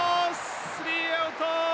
スリーアウト！